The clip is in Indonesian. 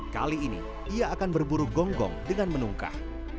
kali ini ia akan berburu gonggong dengan menungkah